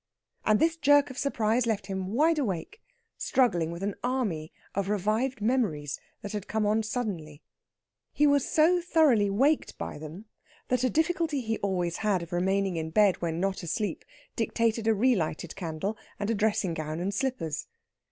And this jerk of surprise left him wide awake, struggling with an army of revived memories that had come on him suddenly. He was so thoroughly waked by them that a difficulty he always had of remaining in bed when not asleep dictated a relighted candle and a dressing gown and slippers.